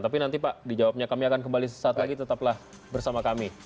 tapi nanti pak dijawabnya kami akan kembali sesaat lagi tetaplah bersama kami